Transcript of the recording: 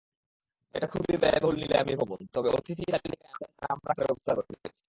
এটা খুবই ব্যয়বহুল নিলামী ভবন, তবে অতিথি তালিকায় আমাদের নাম রাখার ব্যবস্থা করেছি।